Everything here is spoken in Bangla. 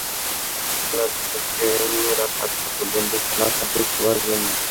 প্রতিদিন বেলা দুইটা থেকে রাত আটটা পর্যন্ত খোলা থাকবে সবার জন্য।